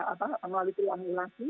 apa melalui triangulasi